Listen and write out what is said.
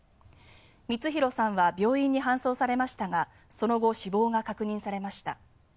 充弘さんは病院に搬送されましたがその後、死亡が確認されました。